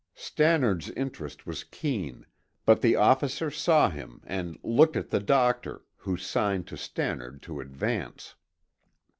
Stannard's interest was keen, but the officer saw him and looked at the doctor, who signed to Stannard to advance.